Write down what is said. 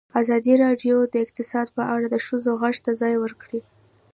ازادي راډیو د اقتصاد په اړه د ښځو غږ ته ځای ورکړی.